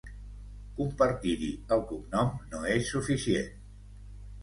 Compartir-hi el cognom no és suficient.